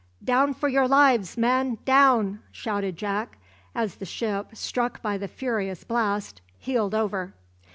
"Down for your lives, men, down!" shouted Jack, as the ship, struck by the furious blast, heeled over.